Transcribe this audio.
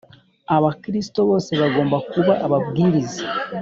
Abakristo bose bagomba kuba ababwiriza